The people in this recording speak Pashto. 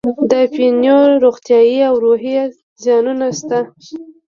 د اپینو روغتیایي او روحي زیانونه شته.